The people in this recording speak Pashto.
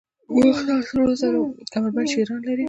د باختر سرو زرو کمربند شیران لري